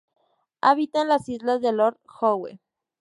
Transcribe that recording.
Habita en las Isla de Lord Howe.